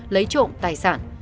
lấy trộm tài sản